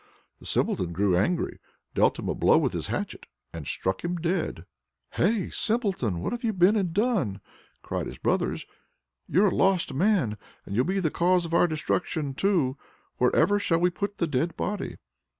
The Simpleton grew angry, dealt him a blow with his hatchet, and struck him dead. "Heigh, Simpleton! what have you been and done!" cried his brothers. "You're a lost man, and you'll be the cause of our destruction, too! Wherever shall we put the dead body?"